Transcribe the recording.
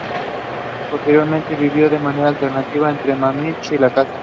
Posteriormente vivió de manera alternativa entre Munich y la casa.